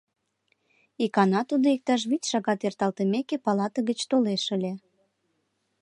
Икана тудо иктаж вич шагат эрталтымеке палате гыч толеш ыле.